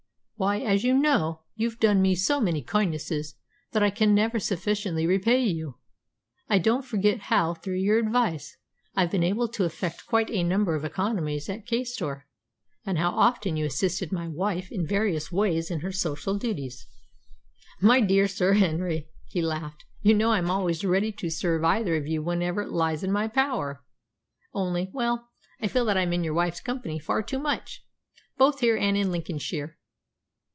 Why, as you know, you've done me so many kindnesses that I can never sufficiently repay you. I don't forget how, through your advice, I've been able to effect quite a number of economies at Caistor, and how often you assist my wife in various ways in her social duties." "My dear Sir Henry," he laughed, "you know I'm always ready to serve either of you whenever it lies in my power. Only well, I feel that I'm in your wife's company far too much, both here and in Lincolnshire.